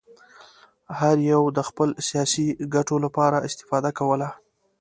هر یوه د خپلو سیاسي ګټو لپاره استفاده کوله.